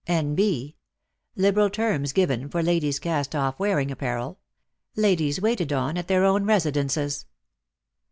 N.B. Liberal terms given for Ladies' cast off wearing apparel. Ladies waited on at their own residences.